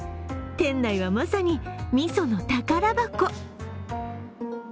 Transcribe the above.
店内はまさにみその宝箱。